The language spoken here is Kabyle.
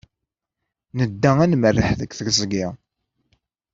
Nedda ad nmerreḥ deg teẓgi.